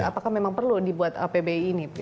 apakah memang perlu dibuat pbi ini